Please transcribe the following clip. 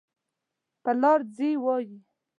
پر لار ځي وایي.